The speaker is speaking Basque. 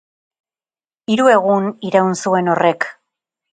Hiru egun iraun zuen horrek.